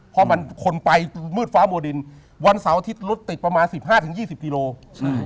เพราะมันคนไปมืดฟ้ามัวดินวันเสาร์อาทิตย์รถติดประมาณ๑๕๒๐กิโลกรัม